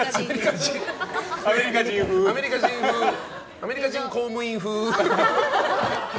アメリカ人公務員風。